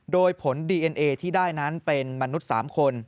โดยผลดีเอ็นเอที่ได้นั้นเป็นมนุษย์๓คน